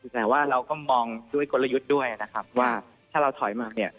แต่ว่าเราก็มองด้วยกลยุทธ์ด้วยนะครับว่าถ้าเราถอยมาเนี่ย